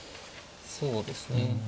そうですね